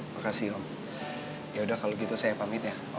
makasih om ya udah kalau gitu saya pamit ya